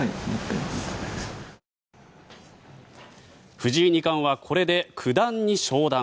藤井二冠はこれで九段に昇段。